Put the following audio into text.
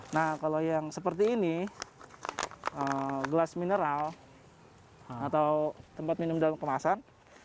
nah kalau yang seperti ini gelas mineral atau tempat minum dalam kemasan